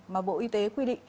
mà bộ y tế đã đưa ra